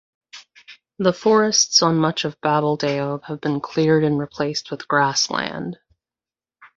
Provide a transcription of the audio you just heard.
The forests on much of Babeldaob have been cleared and replaced with grassland.